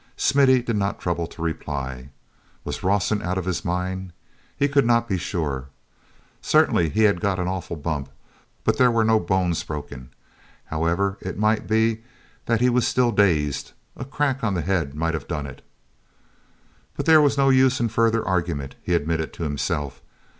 Smithy did not trouble to reply. Was Rawson out of his mind? He could not be sure. Certainly he had got an awful bump, but there were no bones broken. However, it might be that he was still dazed—a crack on the head might have done it. But there was no use in further argument, he admitted to himself.